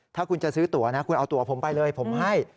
ถ้าคุณจะซื้อตัวนะคุณเอาตัวผมไปเลยผมให้